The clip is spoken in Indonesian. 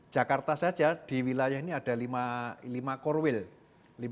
jakarta saja di wilayah ini ada lima core wheel